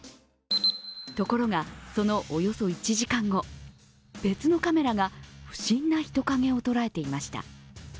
ところが、そのおよそ１時間後別のカメラが、不審な人影をとらえていました。